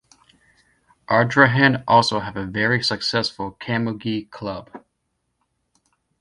Ardrahan also have a very successful Camogie club.